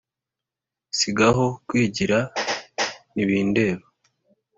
si gaho kwigira ntibindeba